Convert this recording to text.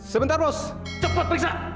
sebentar bos cepat periksa